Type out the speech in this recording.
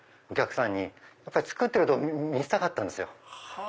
お客さんに作ってるとこ見せたかったんですよ。